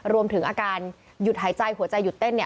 รวมถึงอาการหยุดหายใจหัวใจหยุดเต้นเนี่ย